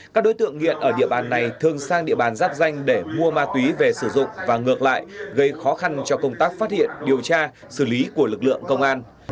các đối tượng nghiện ở địa bàn này thường sang địa bàn giáp danh để mua ma túy về sử dụng và ngược lại gây khó khăn cho công tác phát hiện điều tra xử lý của lực lượng công an